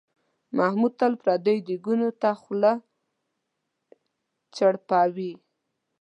محمود تل پردیو دیګونو ته خوله چړپوي.